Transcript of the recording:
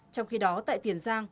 trong khi đó tại tiền giảm